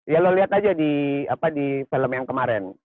ya lo liat aja di apa di film yang kemarin